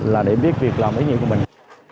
là để biết việc làm ý nghĩa của mình